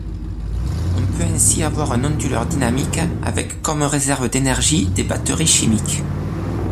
On peut ainsi avoir un onduleur dynamique avec comme réserve d'énergie des batteries chimiques.